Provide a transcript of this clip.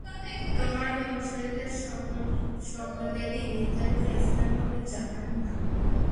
তোমার অনুসারীদের সকলেরই নির্ধারিত স্থান হবে জাহান্নাম।